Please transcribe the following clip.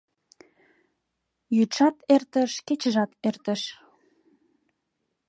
Йӱдшат эртыш, кечыжат эртыш.